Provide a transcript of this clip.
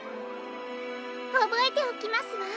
おぼえておきますわ。